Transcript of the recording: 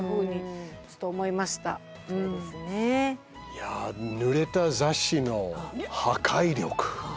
いやぬれた雑誌の破壊力。